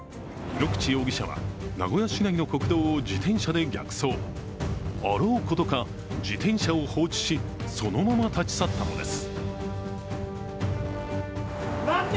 井ノ口容疑者は名古屋市内の国道を自転車で逆走、あろうことか、自転車を放置し、そのまま立ち去ったのです。